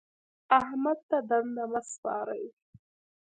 احمد ته دنده مه سپارئ.